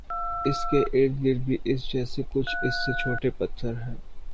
اس کے ارد گرد بھی اس جیسے کچھ اس سے چھوٹے پتھر ہیں